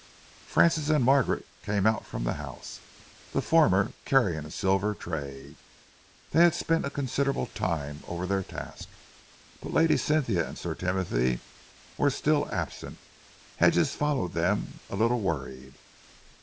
Francis and Margaret came out from the house, the former carrying a silver tray. They had spent a considerable time over their task, but Lady Cynthia and Sir Timothy were still absent. Hedges followed them, a little worried.